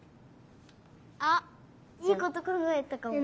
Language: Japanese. あっいいことかんがえたかも。